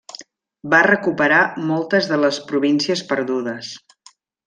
Va recuperar moltes de les províncies perdudes.